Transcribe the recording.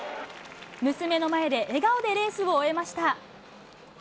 娘の前で、笑顔でレースを終えました。